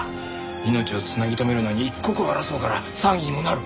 命を繋ぎ留めるのに一刻を争うから騒ぎにもなる。